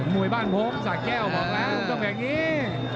มวยบ้านพร้อมสากแก้วบอกแล้วต้องแบบนี้